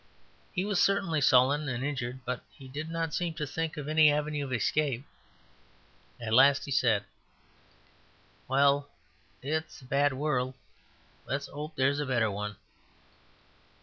He was certainly sullen and injured; but he did not seem to think of any avenue of escape. At last he said: "Well, it's a bad world; let's 'ope there's a better one."